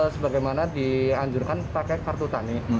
sebagaimana dianjurkan pakai kartu tani